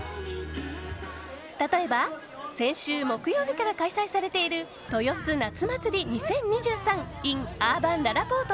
例えば先週木曜日から開催されているとよす夏まつり２０２３ｉｎアーバンららぽーと